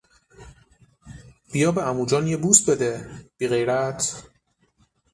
بیا به عموجان یه بوس بده، بیغیرت!